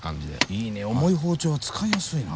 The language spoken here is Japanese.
いいね重い包丁使いやすいな。